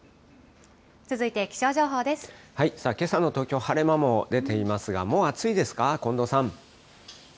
けさの東京、晴れ間も出ていますが、もう暑いですか、近藤さん。